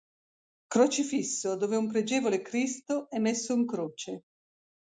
Crocifisso, dove un pregevole Cristo è messo in croce.